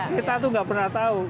kita itu tidak pernah tahu